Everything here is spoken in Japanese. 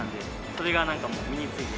それがなんかもう身について。